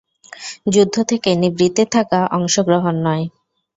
যুদ্ধ থেকে নিবৃত্ত থাকা, অংশগ্রহণ নয়।